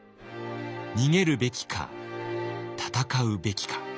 逃げるべきか戦うべきか。